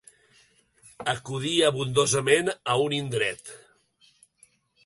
Acudí abundosament a un indret.